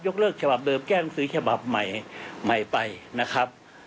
เลิกฉบับเดิมแก้หนังสือฉบับใหม่ใหม่ไปนะครับ